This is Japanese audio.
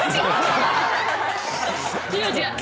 違う違う。